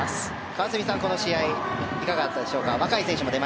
川澄さん、この試合いかがだったでしょうか。